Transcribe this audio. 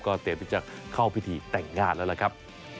เตรียมที่จะเข้าพิธีแต่งงานแล้วล่ะครับ